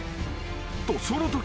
［とそのとき］